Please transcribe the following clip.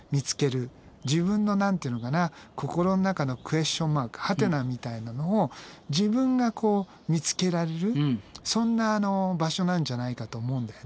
自分の何て言うのかな心の中のクエスチョンマークはてなみたいなのを自分が見つけられるそんな場所なんじゃないかと思うんだよね。